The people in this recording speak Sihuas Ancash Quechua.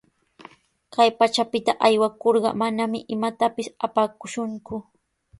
Kay pachapita aywakurqa, manami imatapis apakushunku.